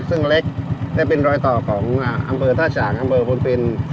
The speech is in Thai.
ซึ่งเล็กและเป็นรอยต่อของอำเภอท่าฉางอำเภอพนปิน